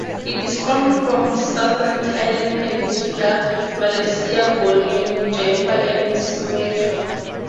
It is found from Southern Thailand, Peninsular Malaysia, Borneo, Java, and Sumatra.